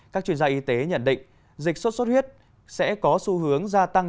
các chuyên gia y tế nhận định dịch sốt xuất huyết sẽ có xu hướng gia tăng